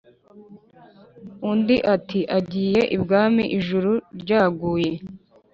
Undi ati”agiye ibwami ijuru ryaguye”